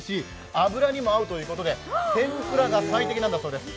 油にも合うということで天ぷらが最適なんだそうです。